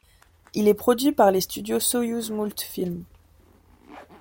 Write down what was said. Il est produit par les studios Soyouzmoultfilm.